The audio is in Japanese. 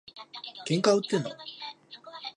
喧嘩売ってんの？